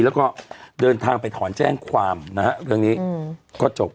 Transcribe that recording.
แล้วก็เดินทางไปถอนแจ้งความนะฮะเรื่องนี้ก็จบ